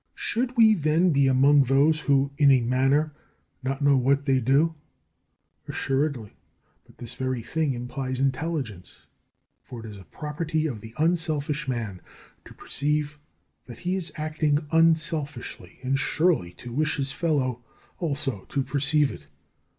"Should we, then, be among those who in a manner know not what they do?" Assuredly. "But this very thing implies intelligence; for it is a property of the unselfish man to perceive that he is acting unselfishly, and, surely, to wish his fellow also to perceive it."